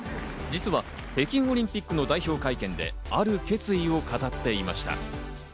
実は北京オリンピックの代表会見で、ある決意を語っていました。